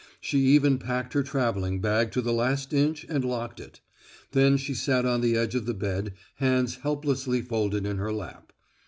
She even packed her traveling bag to the last inch and locked it. Then she sat on the edge of the bed, hands helplessly folded in her lap.